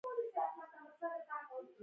ډېر ستونزمن ټکي مۀ کاروئ